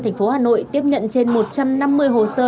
tp hà nội tiếp nhận trên một trăm năm mươi hồ sơ